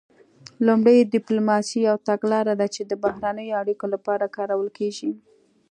لومړی ډیپلوماسي یوه تګلاره ده چې د بهرنیو اړیکو لپاره کارول کیږي